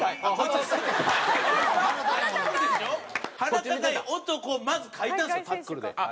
鼻高い男をまず描いたんですよタックルで。